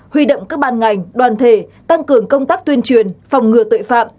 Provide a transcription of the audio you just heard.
huy động các ban ngành đoàn thể tăng cường công tác tuyên truyền phòng ngừa tội phạm